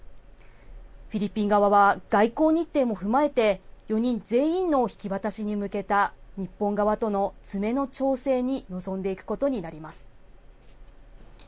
フィリピン側は外交日程も踏まえて、４人全員の引き渡しに向けた日本側との詰めの調整に臨んでいくことになります。